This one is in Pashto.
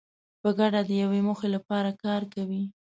په ګډه د یوې موخې لپاره کار کوي.